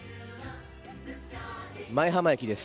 舞浜駅です。